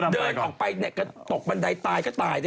เดินออกไปก็ตกบันไดตายก็ตายนะ